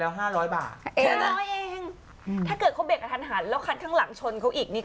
แล้วคันข้างหลังชนเขาอีกเนี่ย